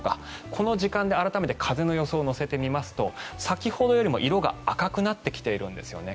この時間で改めて風の予想を乗せてみますと先ほどよりも、色が赤くなってきてるんですよね。